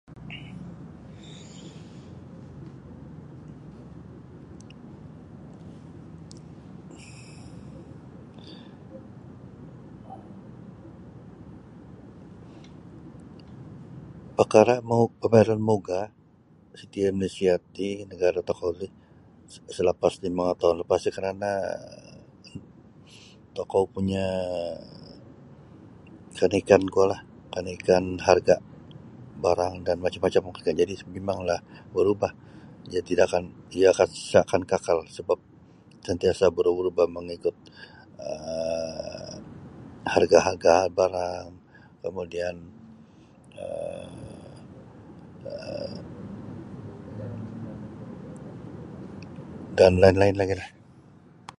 Pakara' mau pambayaran maugah siti da Malaysia ti nagara' tokou ti salapas limo ngatoun lepas ri karana' tokou punya kanaikan kuolah kanaikan harga' barang dan macam-macam jadi' mimanglah barubah ia tidak akan iyo isa' akan kakal sabap santiasa' barubah-ubah mangikut um harga'-harga' barang kamudian um dan lain-lain lagilah.